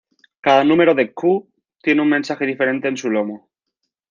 Cada número de "Q" tiene un mensaje diferente en su lomo.